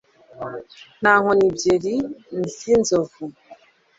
Nka nkoni ebyiri zinzovu